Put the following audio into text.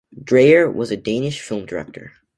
Dreyer, was a Danish film director.